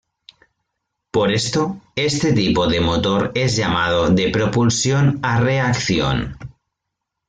Por esto, este tipo de motor es llamado de "propulsión a reacción".